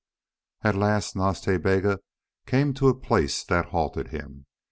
At last Nas Ta Bega came to a place that halted him.